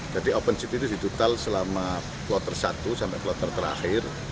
jadi open seat itu ditutup selama kloter satu sampai kloter terakhir